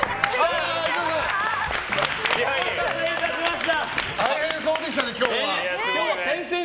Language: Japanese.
お待たせいたしました。